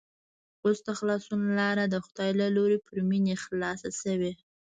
اوس د خلاصون لاره د خدای له لوري پر مينې خلاصه شوې